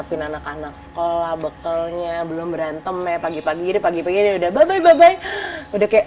pin anak anak sekolah bekalnya belum berantem ya pagi pagi pagi pagi udah bye bye udah kayak